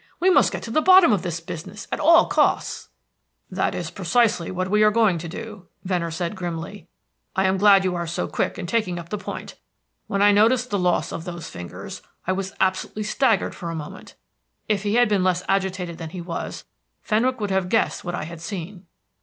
We must get to the bottom of this business at all costs." "That is precisely what we are going to do," Venner said grimly. "I am glad you are so quick in taking up the point. When I noted the loss of those fingers, I was absolutely staggered for a moment. If he had been less agitated than he was, Fenwick would have guessed what I had seen.